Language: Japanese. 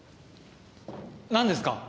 何ですか？